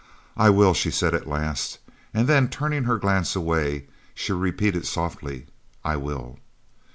"I will," she said at last, and then turning her glance away she repeated softly, "I will."